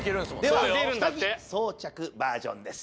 では下着装着バージョンです。